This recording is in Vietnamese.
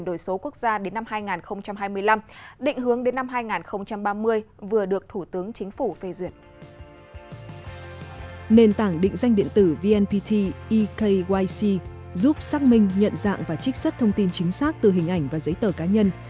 nền tảng định danh điện tử vnpt ekyc giúp xác minh nhận dạng và trích xuất thông tin chính xác từ hình ảnh và giấy tờ cá nhân